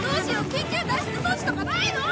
緊急脱出装置とかないの！？